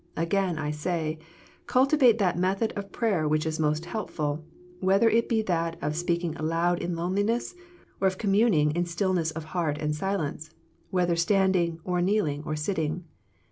Again I say, ( cultivate that method of prayer which is most helpful, whether it be that of speaking aloud in loneliness, or of communing in stillness of heart and silence, whether standing or kneeling or sit ting.